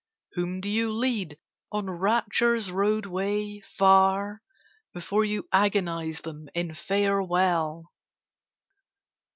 Whom do you lead on Rapture's roadway, far, Before you agonise them in farewell?